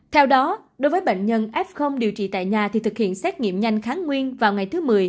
theo đó đối với bệnh nhân f điều trị tại nhà thì thực hiện xét nghiệm nhanh kháng nguyên vào ngày thứ một mươi